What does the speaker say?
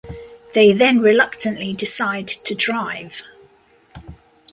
They then reluctantly decide to drive.